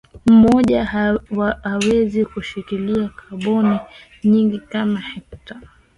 mmoja aweze kushikilia kaboni nyingi kama hekta